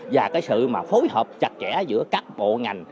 và cái sự mà phối hợp chặt chẽ giữa các bộ ngành